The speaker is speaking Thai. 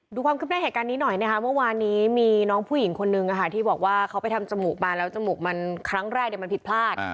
ดูความคืบหน้าเหตุการณ์นี้หน่อยนะคะเมื่อวานนี้มีน้องผู้หญิงคนนึงที่บอกว่าเขาไปทำจมูกมาแล้วจมูกมันครั้งแรกมันผิดพลาด